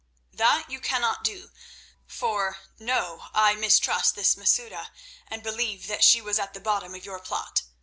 "That you cannot do, for, know, I mistrust this Masouda, and believe that she was at the bottom of your plot.